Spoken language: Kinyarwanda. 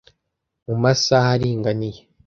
Mu masaha aringaniye,